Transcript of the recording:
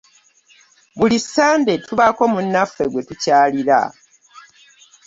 Buli ssande tubaako munnaffe gwe tukyalira.